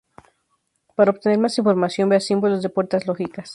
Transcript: Para obtener más información, vea símbolos de puertas lógicas.